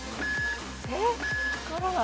えっ？分からない。